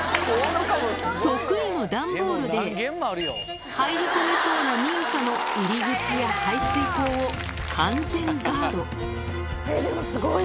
得意の段ボールで、入り込みそうな民家の入り口や排水溝を完全ガード。